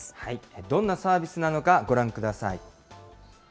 どんなサービスなのか、ご覧ください。